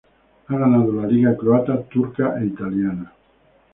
Ha ganado la liga croata, turca e italiana.